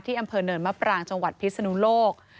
อำเภอเนินมะปรางจังหวัดพิศนุโลก